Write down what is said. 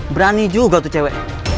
berani juga tuh cewek